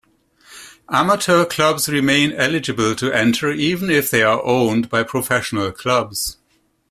Amateur clubs remain eligible to enter even if they are owned by professional clubs.